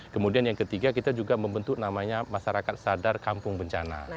kemudian yang ketiga kita juga membentuk namanya masyarakat sadar kampung bencana